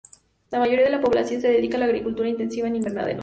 La mayoría de la población se dedica a la agricultura intensiva en invernaderos.